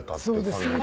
そうです。